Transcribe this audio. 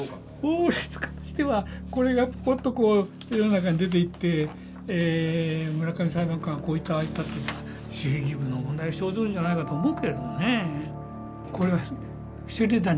法律家としてはこれがポッと世の中に出ていって村上裁判官がこう言ったああ言ったというのは守秘義務の問題が生ずるんじゃないかと思うけれどもね。